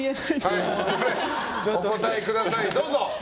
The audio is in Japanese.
お答えください、どうぞ。